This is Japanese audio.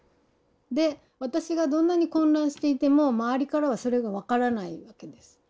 で私がどんなに混乱していても周りからはそれが分からないわけです。